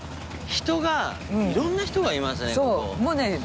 人がいろんな人がいますね